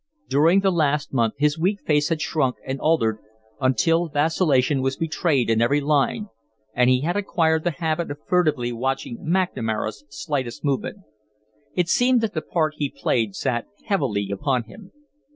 During the last month his weak face had shrunk and altered until vacillation was betrayed in every line, and he had acquired the habit of furtively watching McNamara's slightest movement. It seemed that the part he played sat heavily upon him.